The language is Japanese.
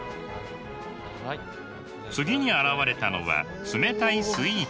次に現れたのは冷たいスイーツ。